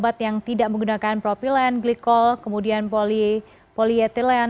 sayaagementnya pemerintahan mikrosuguneld talked about ilang tahan verbosi istanbul